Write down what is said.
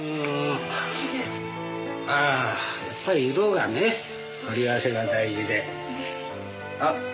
あやっぱり色がね組み合わせが大事で。